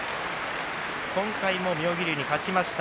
今回も妙義龍に勝ちました。